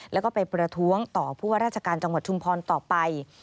แล้วก็ไปประท้วงต่อผู้ว่าราชการจังหวัดชุมพรต่อไป